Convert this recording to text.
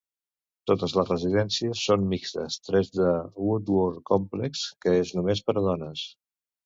Totes les residències són mixtes, tret del Woodworth Complex, que és només per a dones.